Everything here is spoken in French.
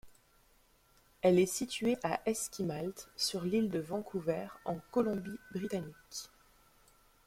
Elle est située à Esquimalt sur l'île de Vancouver en Colombie-Britannique.